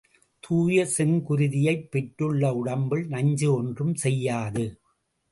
தூய செங்குருதியைப் பெற்றுள்ள உடம்பில் நஞ்சு ஒன்றும் செய்யாது.